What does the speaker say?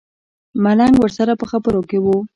ملنګ ورسره په خبرو کې و.